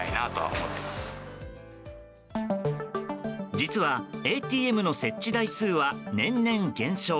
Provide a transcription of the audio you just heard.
実は、ＡＴＭの設置台数は年々減少。